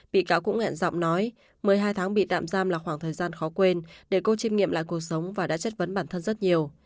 bị cáo cũng hẹn giọng nói một mươi hai tháng bị tạm giam là khoảng thời gian khó quên để cô chiêm nghiệm lại cuộc sống và đã chất vấn bản thân rất nhiều